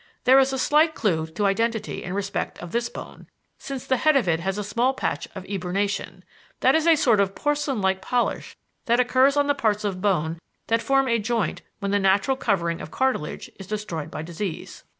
There is a slight clue to identity in respect of this bone, since the head of it has a small patch of 'eburnation' that is a sort of porcelain like polish that occurs on the parts of bones that form a joint when the natural covering of cartilage is destroyed by disease.